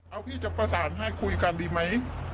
เอาพี่จะประสานให้คุยกันดีไหม